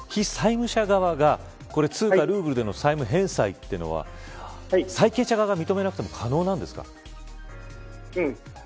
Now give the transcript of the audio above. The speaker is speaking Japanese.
ロシアの非債務者側が通貨ルーブルでの債務返済というのは債権者側が認めなくても可能なんですか。